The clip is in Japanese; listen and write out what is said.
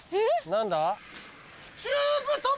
何だ？